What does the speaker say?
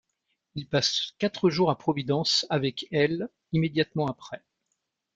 Il passe quatre jours à Providence avec elle immédiatement après.